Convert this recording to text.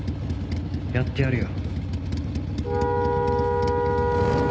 やってやるよ。